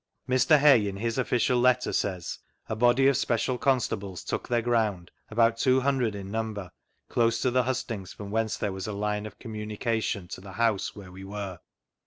Mr. Hay, in his official letter, says :" A body of special constables took their ground, about two hundred in number, close to the hustings, from whence there was a line of com munication to the house where we were."